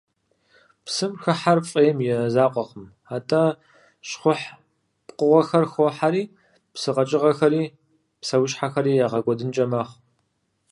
Псым хыхьэр фӀейм и закъуэкъым, атӀэ щхъухь пкъыгъуэхэр хохьэри псы къэкӀыгъэхэри псэущхьэхэри ягъэкӀуэдынкӀэ мэхъу.